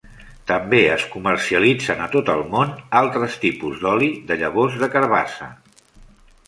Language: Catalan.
També es comercialitzen a tot el món altres tipus d'oli de llavors de carbassa.